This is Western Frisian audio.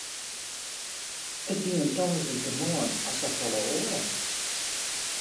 It wie in tongersdeitemoarn as safolle oare.